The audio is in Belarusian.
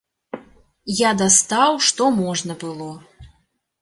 Я дастаў што можна было.